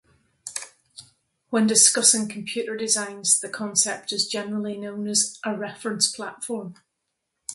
When discussing computer designs, the concept is generally known as a reference platform.